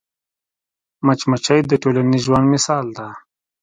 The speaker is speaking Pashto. مچمچۍ د ټولنیز ژوند مثال ده